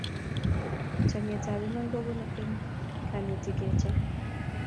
Chamyetap iman kopunu eng kenetkei kecham